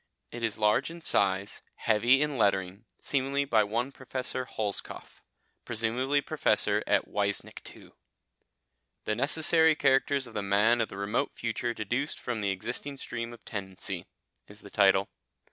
It is large in size, heavy in lettering, seemingly by one Professor Holzkopf, presumably Professor at Weissnichtwo. "The Necessary Characters of the Man of the Remote Future deduced from the Existing Stream of Tendency" is the title.